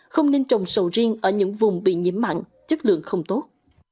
không nên trồng sầu riêng ở những vùng bị nhiễm mặn chất lượng không tốt